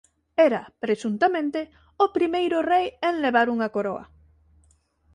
Era presuntamente o primeiro rei en levar unha coroa.